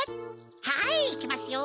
はいいきますよ！